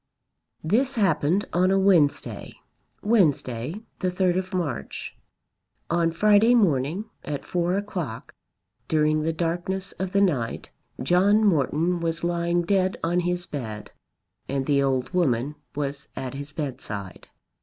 This happened on a Wednesday, Wednesday the 3rd of March. On Friday morning, at 4 o'clock, during the darkness of the night, John Morton was lying dead on his bed, and the old woman was at his bedside.